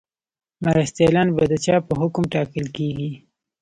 مرستیالان د چا په حکم ټاکل کیږي؟